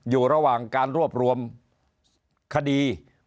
อยู่ระหว่างการรวบรวมคดี